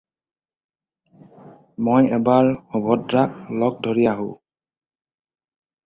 মই এবাৰ সুভদ্ৰাক লগ ধৰি আহোঁ।